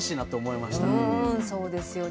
うんそうですよね。